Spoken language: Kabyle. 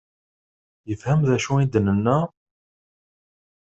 Yefhem d acu i d-nenna?